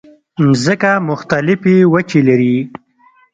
مځکه مختلفې وچې لري.